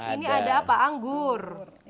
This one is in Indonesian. ini ada apa anggur